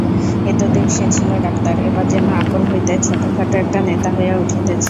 এতদিন সে ছিল ডাক্তার, এবার যেন আপন হইতে ছোটখাটো একটি নেতা হইয়া উঠিতেছে।